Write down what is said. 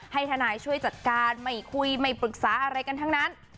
ให้ทนายช่วยจัดการไม่คุยไม่ปรึกษาอะไรกันทั้งนั้น